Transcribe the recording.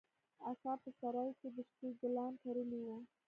اکا په سراى کښې د شبۍ ګلان کرلي وو.